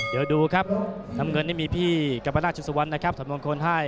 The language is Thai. เดี๋ยวดูครับน้ำเงินนี้มีพี่กับกับท่อนมงคลให้